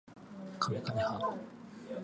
かめはめ波